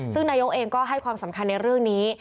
ซึ่งนายกเองก็ให้ความสำคัญในเรื่องนี้